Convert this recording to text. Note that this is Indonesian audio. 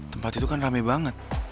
tempat itu kan rame banget